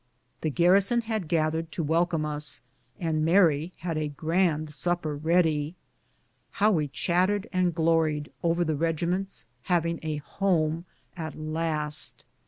The garrison had gathered to welcome us, and Mary had a grand supper ready. How we chattered and gloried over the regiment having a home at last.